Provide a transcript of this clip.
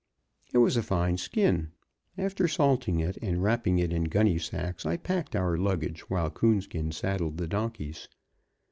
It was a fine skin. After salting it, and wrapping it in gunnysacks, I packed our luggage while Coonskin saddled the donkeys.